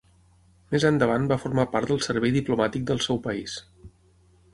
Més endavant va formar part del servei diplomàtic del seu país.